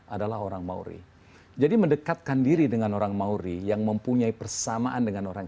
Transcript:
adalah orang mauri jadi mendekatkan diri dengan orang mauri yang mempunyai persamaan dengan orang